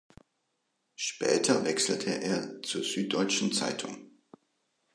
Später wechselte er zur Süddeutschen Zeitung.